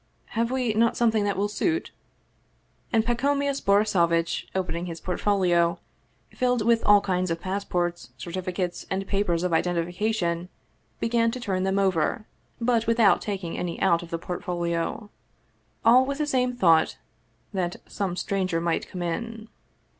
Have we not something that will suit?" And Pacomius Borisovitch, opening his portfolio, filled with all kinds of passports, certificates, and papers of iden tification, began to turn them over, but without taking any out of the portfolio. All with the same thought that some stranger might come in.